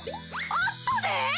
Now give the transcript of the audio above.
あったで！